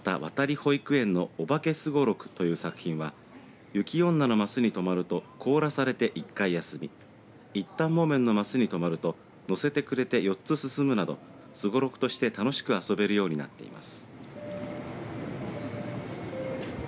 保育園のおばけすごろくという作品は雪女のマスに止まると凍らされて１回休み一反もめんのマスに止まると乗せてくれて４つ進むなどすごろくとして楽しく遊べるようになっています。